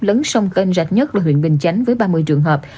lớn sông kênh rạch nhất là huyện bình chánh với ba mươi trường hợp